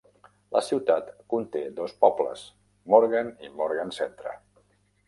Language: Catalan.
La ciutat conté dos pobles: Morgan i Morgan Centre.